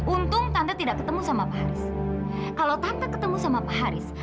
untung tanpa tidak ketemu sama pak haris kalau tanpa ketemu sama pak haris